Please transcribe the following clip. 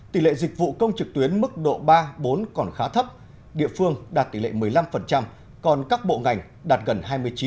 tỷ lệ dịch vụ công trực tuyến mức độ ba bốn còn khá thấp địa phương đạt tỷ lệ một mươi năm còn các bộ ngành đạt gần hai mươi chín